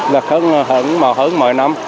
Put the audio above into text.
lục hơn mọi năm